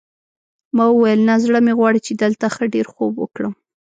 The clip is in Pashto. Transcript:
ما وویل نه زړه مې غواړي چې دلته ښه ډېر خوب وکړم.